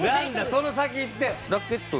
その先いって。